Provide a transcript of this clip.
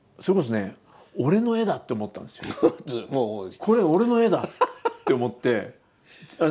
「これ俺の絵だ」って思って。